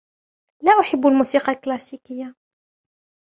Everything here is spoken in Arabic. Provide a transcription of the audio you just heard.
لا أحب الموسيقى الكلاسيكية.